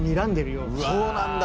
そうなんだ。